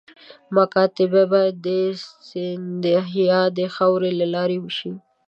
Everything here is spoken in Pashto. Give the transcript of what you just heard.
مکاتبه باید د سیندهیا د خاوري له لارې وشي.